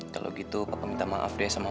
kalau gitu papa minta maaf deh sama